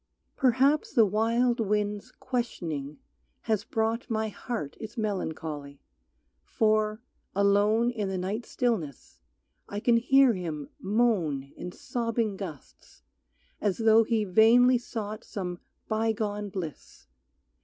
Perhaps the wild wind's questioning has brought My heart its melancholy, for, alone In the night stillness, I can hear him moan In sobbing gusts, as though he vainly sought Some bygone bliss.